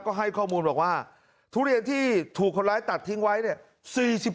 ก็ให้ข้อมูลบอกว่าทุเรียนที่ถูกคนร้ายตัดทิ้งไว้เนี่ย